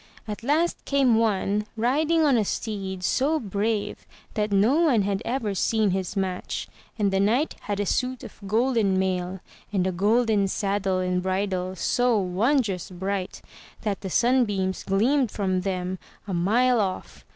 At last came one riding on a steed, so brave that no one had ever seen his match; and the knight had a suit of golden mail, and a golden saddle and bridle, so wondrous bright that the sunbeams gleamed from them a mile off.